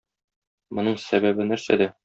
Моның сәбәбе нәрсәдә?